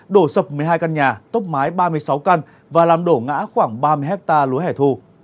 đổ sập một mươi hai căn nhà tốc mái ba mươi sáu căn và làm đổ ngã khoảng ba mươi hectare lúa hẻ thu